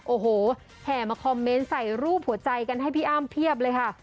โอ้โหแห่มาคอมเมนต์ใส่รูปหัวใจกันให้พี่อ้ำเพียบเลยค่ะ